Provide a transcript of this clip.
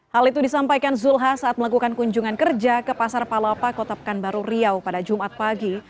hal itu disampaikan zulkifli hasan saat melakukan kunjungan kerja ke pasar palapa kotapkan baru riau pada jumat pagi